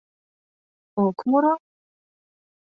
Ок муро?